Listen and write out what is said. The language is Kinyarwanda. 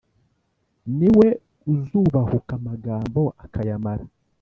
ni we uzubahuka amagambo akayamara!